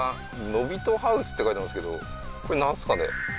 「のびとハウス」って書いてますけどこれなんですかね？